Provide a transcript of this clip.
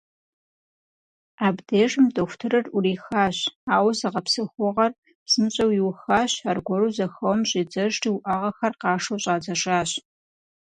Абдежым дохутырыр Ӏурихащ, ауэ зыгъэпсэхугъуэр псынщӀэу иухащ, аргуэру зэхэуэм щӀидзэжри уӀэгъэхэр къашэу щӀадзэжащ.